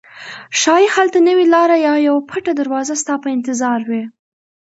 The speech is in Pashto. ښایي هلته نوې لاره یا یوه پټه دروازه ستا په انتظار وي.